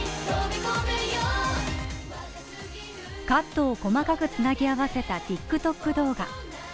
カットを細かくつなぎ合わせたＴｉｋＴｏｋ動画。